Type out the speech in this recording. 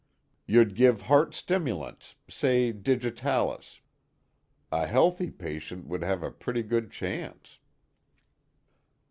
You'd give heart stimulants, say digitalis. A healthy patient would have a pretty good chance."